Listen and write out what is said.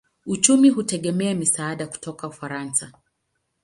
Uchumi hutegemea misaada kutoka Ufaransa.